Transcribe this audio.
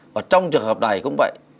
và trong trường hợp này cũng vậy